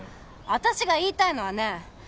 私が言いたいのはね